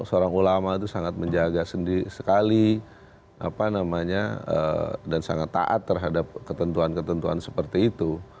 seorang ulama itu sangat menjaga sekali dan sangat taat terhadap ketentuan ketentuan seperti itu